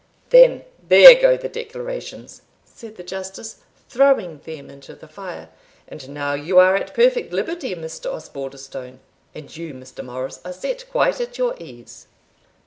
"Then, there go the declarations," said the Justice, throwing them into the fire "And now you are at perfect liberty, Mr Osbaldistone. And you, Mr. Morris, are set quite at your ease."